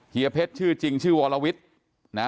เฮียเพชรชื่อจริงชื่อวรวิทย์นะ